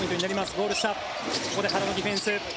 ゴール下ここで原のディフェンス。